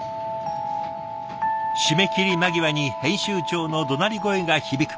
締め切り間際に編集長のどなり声が響く。